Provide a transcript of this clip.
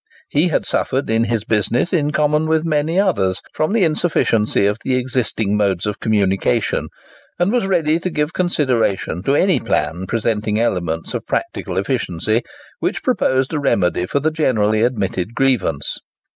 He had suffered in his business, in common with many others, from the insufficiency of the existing modes of communication, and was ready to give consideration to any plan presenting elements of practical efficiency which proposed a remedy for the generally admitted grievance.